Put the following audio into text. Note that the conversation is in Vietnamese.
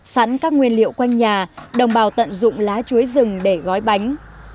sẵn các nguyên liệu quanh nhà đồng bào tận dụng lá chuối rừng để gói bánh